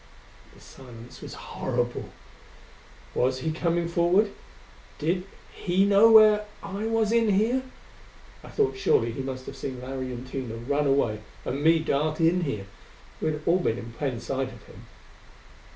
The silence was horrible. Was he coming forward? Did he know I was in here? I thought surely he must have seen Larry and Tina run away, and me dart in here: we had all been in plain sight of him.